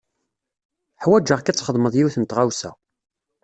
Uḥwaǧeɣ-k ad txedmeḍ yiwet n tɣawsa.